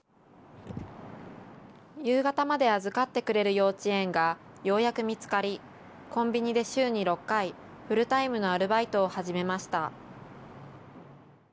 夕方まで預かってくれる幼稚園がようやく見つかり、コンビニで週に６回、フルタイムのアルバイトを始めました。